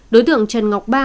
đối tượng trần ngọc ba